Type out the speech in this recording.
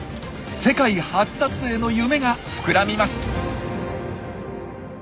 世界初撮影の夢が膨らみます！